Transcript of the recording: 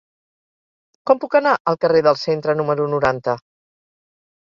Com puc anar al carrer del Centre número noranta?